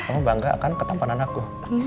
kamu bangga akan ketampanan aku